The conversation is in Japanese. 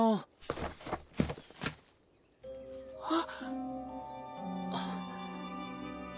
あっ。